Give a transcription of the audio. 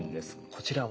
こちらは？